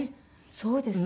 そうですね。